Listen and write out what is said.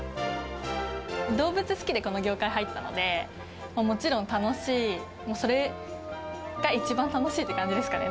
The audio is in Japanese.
動物好きで、この業界入ったので、もちろん楽しい、それが一番楽しいって感じですかね、